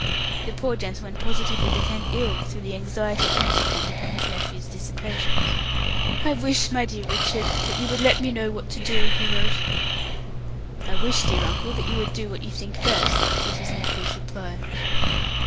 The poor gentleman positively became ill through the anxiety consequent upon his nephew's dissipations. "I wish, my dear Richard, that you would let me know what to do," he wrote. "I wish, my dear uncle, that you would do what you think best," was his nephew's reply.